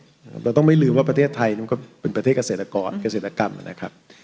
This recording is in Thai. เราต้องไม่ลืมว่าประเทศไทยมันก็เป็นประเทศเกษตรกรเกษตรกรรมนะครับ